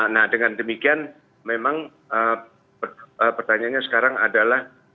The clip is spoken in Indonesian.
nah dengan demikian memang pertanyaannya sekarang adalah